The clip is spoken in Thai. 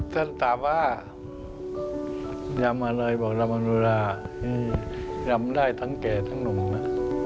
ท่านสาว่ายำอะไรบอกลำมนุฬลาที่ยำได้ทั้งแก่ทั้งหนุ่มน่ะ